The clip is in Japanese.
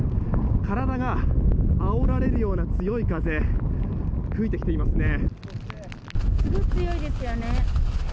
体があおられるような強い風吹いてきていますね。